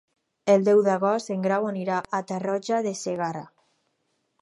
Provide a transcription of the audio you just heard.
El deu d'agost en Grau anirà a Tarroja de Segarra.